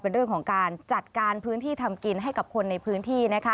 เป็นเรื่องของการจัดการพื้นที่ทำกินให้กับคนในพื้นที่